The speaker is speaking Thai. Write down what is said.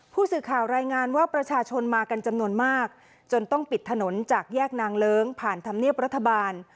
ผู้สื่อข่าวรายงานว่าประชาชนมากันจำนวนมากจนต้องปิดถนนจากแยกนางเลิ้งผ่านธรรมเนียบรัฐบาล